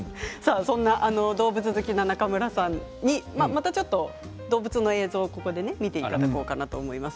そんな動物好きの中村さんにまたちょっと動物の映像を見ていただこうかなと思います。